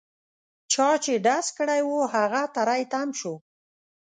چا چې ډز کړی وو هغه تري تم شو.